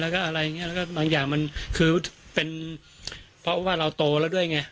แล้วก็อะไรอย่างเงี้แล้วก็บางอย่างมันคือเป็นเพราะว่าเราโตแล้วด้วยไง